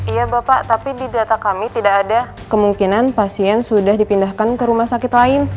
iya bapak tapi di data kami tidak ada kemungkinan pasien sudah dipindahkan ke rumah sakit lain